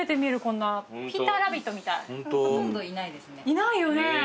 いないよね。